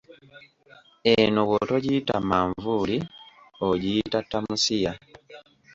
Eno bw'otogiyita manvuuli ogiyita tamusiya.